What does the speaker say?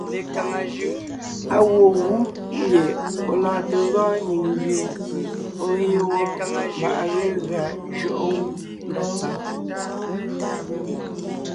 Á gwoon gú ngie ɔ̀ lɔɔn te gɔɔn nyìŋ gẅie ɔ̀ɔ yé wɔ́ mbà à ge gʉa jʉɔʼɔ gú ndá tsǎŋ.